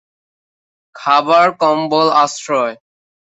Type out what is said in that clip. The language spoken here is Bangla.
খাবার, কম্বল, আশ্রয়।